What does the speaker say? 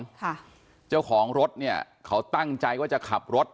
ค่ะเจ้าของรถเนี้ยเขาตั้งใจว่าจะขับรถ